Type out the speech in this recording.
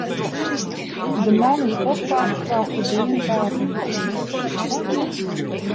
De man is oppakt foar ferbean wapenbesit.